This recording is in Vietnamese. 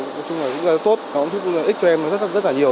nó cũng rất tốt ích cho em rất nhiều